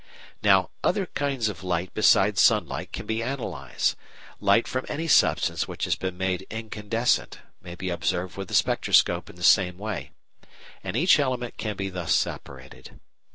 Now, other kinds of light besides sunlight can be analysed. Light from any substance which has been made incandescent may be observed with the spectroscope in the same way, and each element can be thus separated.